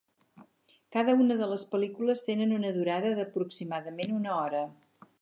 Cada una de les pel·lícules tenen una durada d'aproximadament una hora.